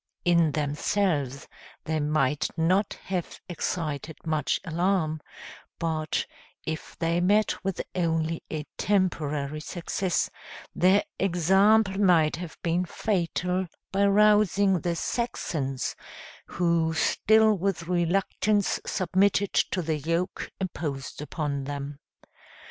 In themselves they might not have excited much alarm, but, if they met with only a temporary success, their example might have been fatal, by rousing the Saxons, who still with reluctance submitted to the yoke imposed upon them.